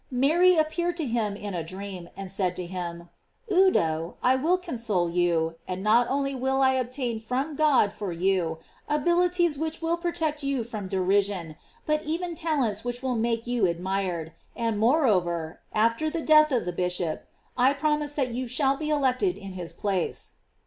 Mary appeared to him in a dream, and said to him: "Udo, I will console you, and not only will I obtain from God for you abilities which will protect you from de rision, but even talents which will make you ad mired; and moreover, after the death of the bishop, I promise that you shall be elected in his place."